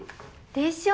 でしょ？